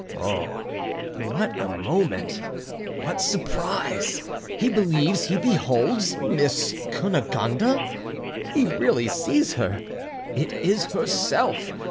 Oh! what a moment! what surprise! he believes he beholds Miss Cunegonde? he really sees her! it is herself!